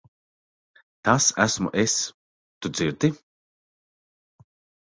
Tas esmu es. Tu dzirdi?